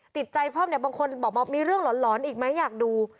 ติดใจเพิ่มเนี่ยบางคนบอกมีเรื่องหลอนอีกไหมอยากดู